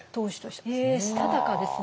へえしたたかですね。